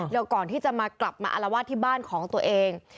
แล้วก่อนที่จะมากลับมาอารวาสที่บ้านของตัวเอง